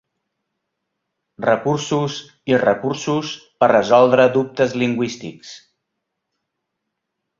Recursos i recursos per resoldre dubtes lingüístics.